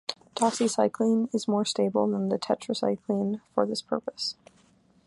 Doxycycline is more stable than tetracycline for this purpose.